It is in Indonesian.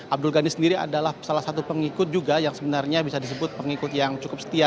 abdul ghani sendiri adalah salah satu pengikut juga yang sebenarnya bisa disebut pengikut yang cukup setia